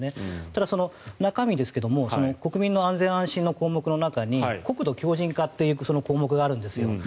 ただ、その中身ですが国民の安心安全の項目の中に国土強じん化という項目があるんですよ。